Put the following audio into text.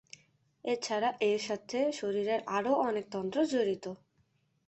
এছাড়া এর সাথে শরীরের আরো অনেক তন্ত্র জড়িত।